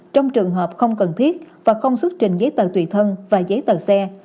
trong trường hợp không cần thiết và không xuất trình giấy tờ tùy thân và giấy tờ xe